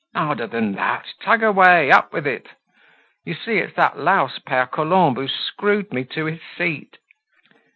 harder than that, tug away, up with it! You see it's that louse Pere Colombe who's screwed me to his seat."